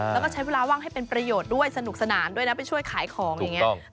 แล้วก็ใช้เวลาว่างให้เป็นประโยชน์ด้วยสนุกสนานด้วยนะไปช่วยขายของอย่างนี้